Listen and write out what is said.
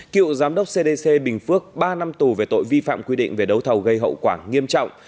cựu giám đốc cdc bình phước ba năm tù về tội vi phạm quy định về đấu thầu gây hậu quả nghiêm trọng